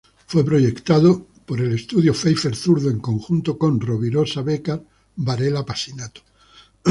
Fue proyectado por el estudio Pfeifer-Zurdo en conjunto con Robirosa-Beccar Varela-Pasinato.